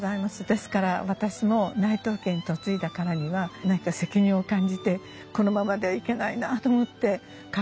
ですから私も内藤家に嫁いだからには何か責任を感じてこのままではいけないなあと思ってカフェにいたしました。